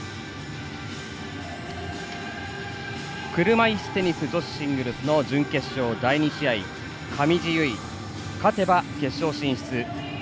車いすテニス女子シングルスの準決勝第２試合上地結衣、勝てば決勝進出。